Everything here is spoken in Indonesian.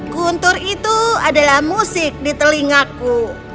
guntur itu adalah musik di telingaku